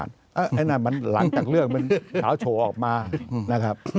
นั่นมันหลังจากเรื่องมันเฉาโชว์ออกมานะครับ